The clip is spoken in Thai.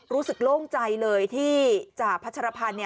รู้สึกโล่งใจเลยที่จ้าพัชรพันธุ์